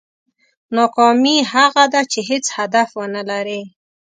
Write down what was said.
ناکامي هغه ده چې هېڅ هدف ونه لرې.